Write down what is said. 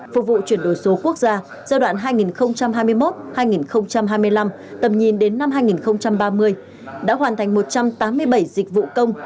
phục vụ chuyển đổi số quốc gia giai đoạn hai nghìn hai mươi một hai nghìn hai mươi năm tầm nhìn đến năm hai nghìn ba mươi đã hoàn thành một trăm tám mươi bảy dịch vụ công